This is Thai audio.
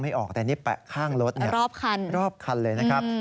ออกแต่นี่แปะข้างรถรอบคันรอบคันเลยนะครับ